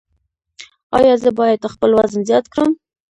ایا زه باید خپل وزن زیات کړم؟